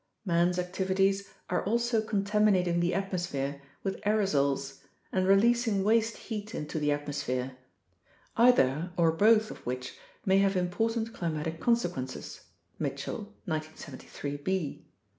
Man's activities are also con taminating the atmosphere with aerosols and releasing waste heat into the atmosphere, either (or both) of which may have important climatic consequences (Mitchell, 1973b).